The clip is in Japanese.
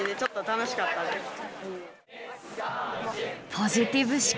ポジティブ思考！